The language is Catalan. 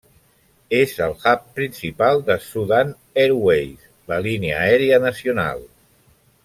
És el hub principal de Sudan Airways, la línia aèria nacional.